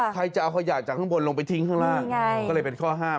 ใครจะเอาขยะจากข้างบนลงไปทิ้งข้างล่างก็เลยเป็นข้อห้าม